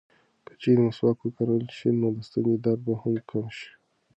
که چېرې مسواک وکارول شي، نو د ستوني درد به هم کم شي.